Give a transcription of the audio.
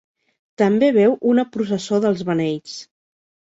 També veu una processó dels beneits.